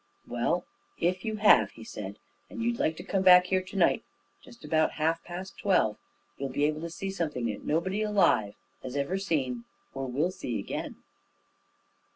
"Well, if you have," he said, "and you'd like to come back here to night, just about half past twelve, you'll be able to see something that nobody alive has ever seen or will see again."